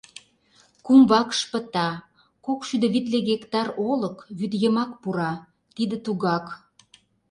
Кум вакш пыта, кок шӱдӧ витле гектар олык вӱд йымак пура — тиде тугак.